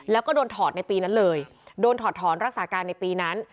แล้วก็โดนถอดในปีนั้นเลยโดนถอดถอนรักษาการในปีนั้น